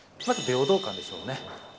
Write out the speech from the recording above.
まず平等感でしょうね。